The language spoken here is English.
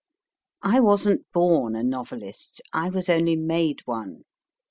I wasn t born a novelist, I was only made one.